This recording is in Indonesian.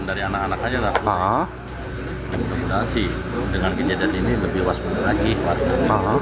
dengan kejadian ini lebih waspada lagi warga